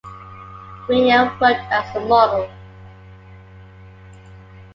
Grenier worked as a model.